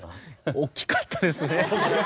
大きかったですね。